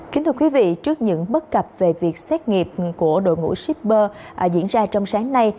kính thưa quý vị trước những bất cập về việc xét nghiệm của đội ngũ shipper diễn ra trong sáng nay